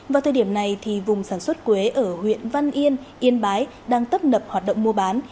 vào thời điểm này vùng sản xuất quế ở huyện văn yên yên bái đang tấp nập hoạt động mua bán